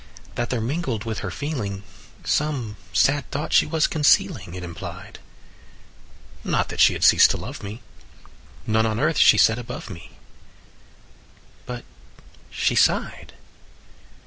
That there mingled with her feeling Some sad thought she was concealing It implied. —Not that she had ceased to love me, None on earth she set above me; But she sighed.